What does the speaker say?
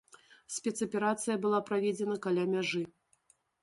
Спецаперацыя была праведзена каля мяжы.